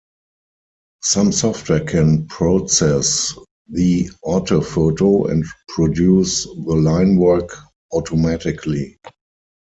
Some software can process the orthophoto and produce the linework automatically.